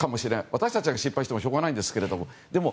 私たちが心配してもしょうがないんですけども。